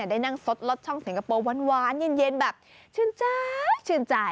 ได้นั่งซดรถช่องสิงคโปร์วานเย็นแบบชื่นใจ